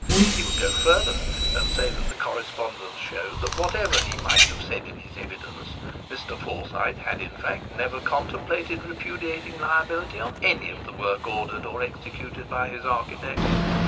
He would go further and say that the correspondence showed that whatever he might have said in his evidence, Mr. Forsyte had in fact never contemplated repudiating liability on any of the work ordered or executed by his architect.